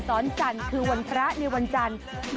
สอนจันทร์คือวันพระในวันจันทร์